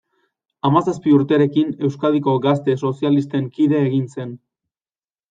Hamazazpi urterekin Euskadiko Gazte Sozialisten kide egin zen.